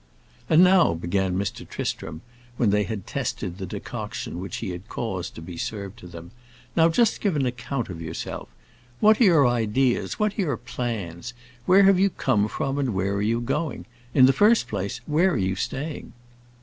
"And now," began Mr. Tristram, when they had tested the decoction which he had caused to be served to them, "now just give an account of yourself. What are your ideas, what are your plans, where have you come from and where are you going? In the first place, where are you staying?"